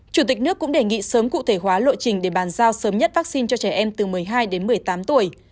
chủ tịch nước cũng đề nghị sớm cụ thể hóa lộ trình để bàn giao sớm nhất vaccine cho trẻ em từ một mươi hai đến một mươi tám tuổi